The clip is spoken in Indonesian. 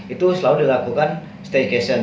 itu selalu dilakukan staycation